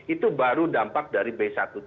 itu baru dampak dari b satu tujuh belas